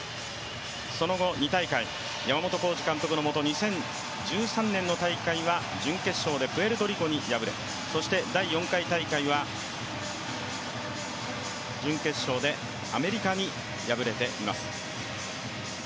その後、２大会、山本浩二監督のもと２０１３年の大会は準決勝でプエルトリコに敗れ、第４回大会は準決勝でアメリカに敗れています。